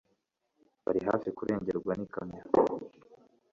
Bari hafi kurengerwa nikamyo